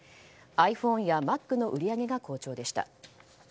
ｉＰｈｏｎｅやＭａｃの売り上げが好調でした。